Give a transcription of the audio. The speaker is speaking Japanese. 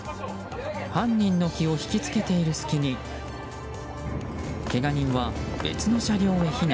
犯人の気を引きつけている隙にけが人は別の車両へ避難。